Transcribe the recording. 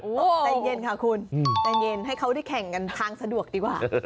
ใจเย็นค่ะคุณใจเย็นให้เขาได้แข่งกันทางสะดวกดีกว่า